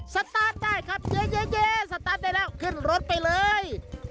สตาร์ทได้ครับเยอะสตาร์ทได้แล้วขึ้นรถไปเลย